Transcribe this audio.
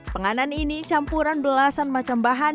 penganan ini campuran belasan macam bahan